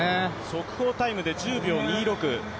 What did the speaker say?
速報タイムで１０秒２６。